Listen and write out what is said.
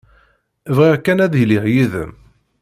Bɣiɣ kan ad iliɣ yid-m.